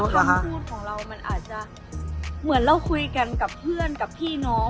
คำพูดของเรามันอาจจะเหมือนเราคุยกันกับเพื่อนกับพี่น้อง